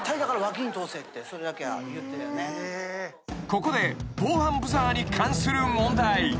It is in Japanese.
［ここで防犯ブザーに関する問題］